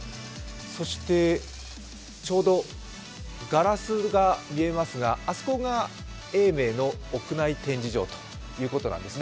そしてちょうどガラスが見えますが、あそこが永明の屋内展示場ということなんですね。